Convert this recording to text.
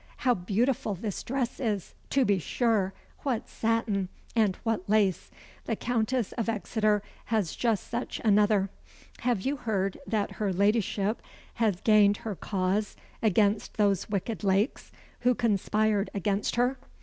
how beautiful this dress is, to be sure! what satin! and what lace! The Countess of Exeter has just such another. Have you heard that her ladyship has gained her cause against those wicked Lakes, who conspired against her?